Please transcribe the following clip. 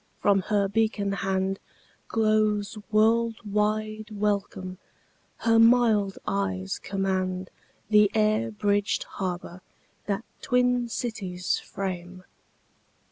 From her beacon handGlows world wide welcome; her mild eyes commandThe air bridged harbour that twin cities frame.